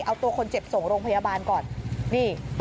เอาตัวคนเจ็บส่งโรงพยาบาลก่อนนี่